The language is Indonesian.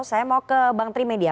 saya mau ke bang trimedia